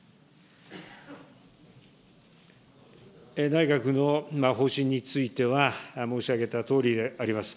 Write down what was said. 内閣の方針については、申し上げたとおりであります。